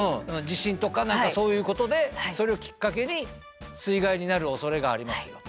地震とか何かそういうことでそれをきっかけに水害になるおそれがありますよと。